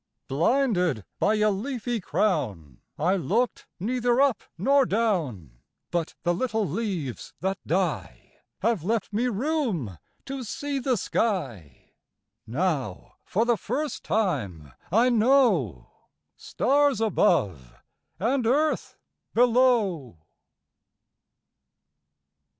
Blinded by a leafy crownI looked neither up nor down—But the little leaves that dieHave left me room to see the sky; Now for the first time I knowStars above and earth below.